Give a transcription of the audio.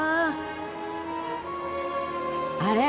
あれ？